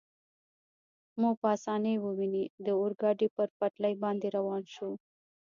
مو په اسانۍ وویني، د اورګاډي پر پټلۍ باندې روان شو.